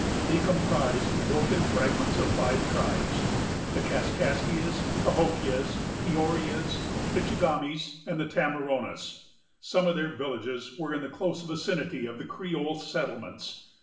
They comprised the broken fragments of five tribes,——the Kaskaskias, Cahokias, Peorias, Mitchigamias, and Tamaronas. Some of their villages were in the close vicinity of the Creole settlements.